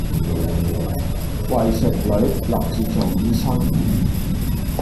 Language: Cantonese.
為食女立志做醫生